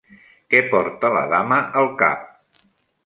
Què porta la dama al cap?